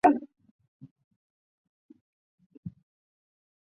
阿诺河圣雅各伯堂是意大利佛罗伦萨一个教堂。